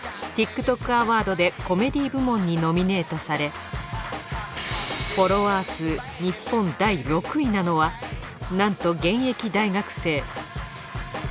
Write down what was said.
ＴｉｋＴｏｋアワードでコメディ部門にノミネートされフォロワー数日本第６位なのはなんと現役大学生。